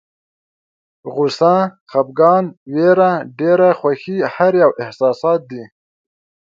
غوسه، خپګان، ویره، ډېره خوښي هر یو احساسات دي.